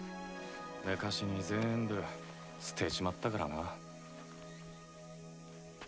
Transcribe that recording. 昔にぜんぶ捨てちまったからな。